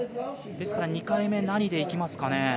ですから２回目、何でいきますかね？